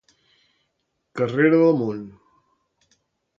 Carrera de món.